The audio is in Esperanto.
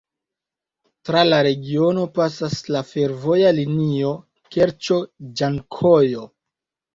Tra la regiono pasas la fervoja linio Kerĉo-Ĝankojo.